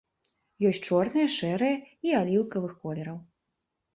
Ёсць чорныя, шэрыя і аліўкавых колераў.